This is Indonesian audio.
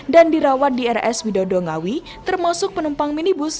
dan dirawat di rs widodo ngawi termasuk penumpang minibus